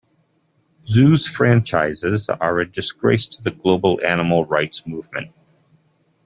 Zoos franchises are a disgrace to the global animal rights movement.